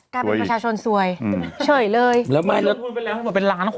กลับไปประชาชนซวยอืมเฉยเลยแล้วไม่แล้วถูกไหม